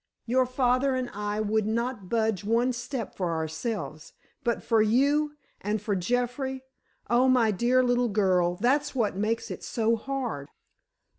Your father and I would not budge one step, for ourselves—but for you, and for Jeffrey—oh, my dear little girl, that's what makes it so hard."